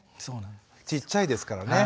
ちっちゃいですからね。